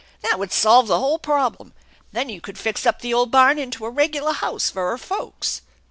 That would solve the whole problem. Then you could fix up the old barn into a regular house for her folks."